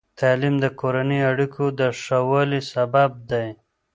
تعلیم د کورني اړیکو د ښه والي سبب دی.